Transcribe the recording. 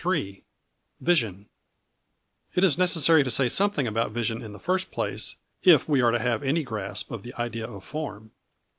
III VISION It is necessary to say something about Vision in the first place, if we are to have any grasp of the idea of form.